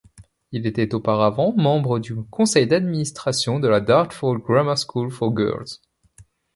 Il était auparavant membre du conseil d'administration de la Dartford Grammar School for Girls.